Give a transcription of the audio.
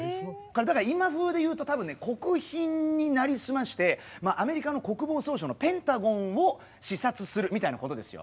今風で言うと多分ね国賓になりすましてアメリカの国防総省のペンタゴンを視察するみたいなことですよ。